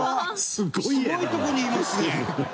すごいとこにいますね。